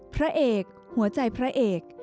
พระเอกหัวใจพระเอก